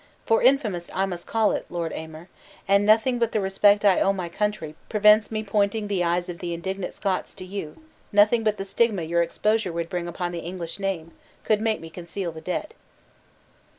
For infamous I must call it, Lord Aymer; and nothing but the respect I owe my country, prevents me pointing the eyes of the indignant Scots to you; nothing but the stigma your exposure would bring upon the English name, could make me conceal the dead."